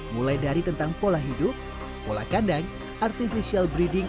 mulai dari tentang pola hidup pola kandang artificial breeding